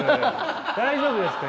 大丈夫ですか？